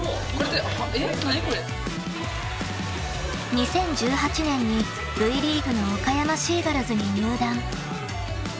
［２０１８年にＶリーグの岡山シーガルズに入団］